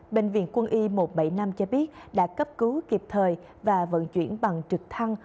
bệnh viện quân y một trăm bảy mươi năm cho biết đã cấp cứu kịp thời và vận chuyển bằng trực thăng